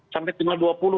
sampai tanggal dua puluh